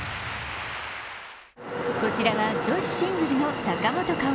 こちらは女子シングルの坂本花織。